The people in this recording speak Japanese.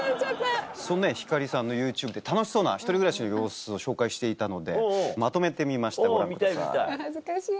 その星さんのＹｏｕＴｕｂｅで楽しそうな１人暮らしの様子を紹介していたのでまとめてみましたご覧ください。